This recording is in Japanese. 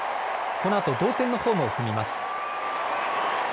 このあと同点のホームを踏みます。